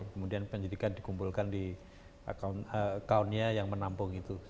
kemudian penyidikan dikumpulkan di account nya yang menampung itu